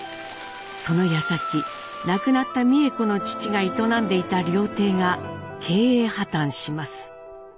そのやさき亡くなった美枝子の父が営んでいた料亭が経営破綻します。